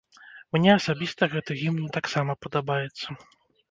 Мне асабіста гэты гімн таксама падабаецца.